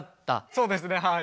そうですねはい。